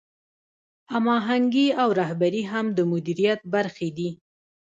هماهنګي او رهبري هم د مدیریت برخې دي.